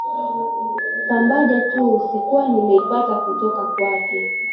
Pambaja tu sikuwa nimeipata kutoka kwake